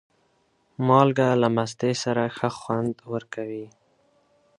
مالګه له مستې سره ښه خوند ورکوي.